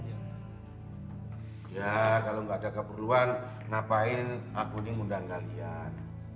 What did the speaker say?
iya kalau gak ada keburuan ngapain aku ini ngundang kalian